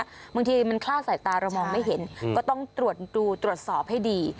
บางทีมันคลาดสายตาเรามองไม่เห็นก็ต้องตรวจดูตรวจสอบให้ดี